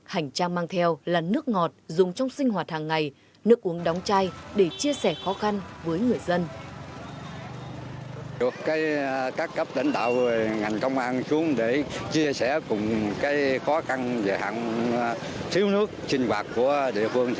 hành trang mang theo là nước ngọt dùng trong sinh hoạt hàng ngày nước uống đóng chai để chia sẻ khó khăn với người dân